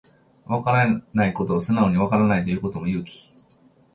わからないことを素直にわからないと言うことも勇気